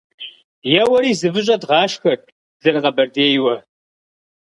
- Еуэри, зы выщӀэ дгъашхэрт зэрыкъэбэрдейуэ.